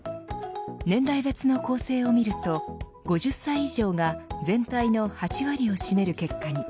年代別の構成を見ると５０歳以上が全体の８割を占める結果に。